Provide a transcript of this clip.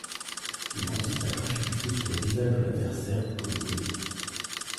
Il consiste à cracher du feu sur le visage de l'adversaire pour le brûler.